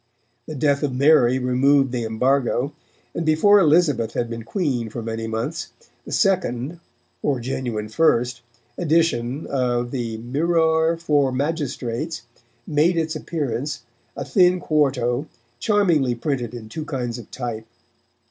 The death of Mary removed the embargo, and before Elizabeth had been Queen for many months, the second (or genuine first) edition of the Myrroure for Magistrates made its appearance, a thin quarto, charmingly printed in two kinds of type.